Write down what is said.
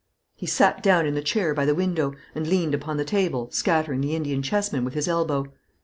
He sat down in the chair by the window, and leaned upon the table, scattering the Indian chessmen with his elbow.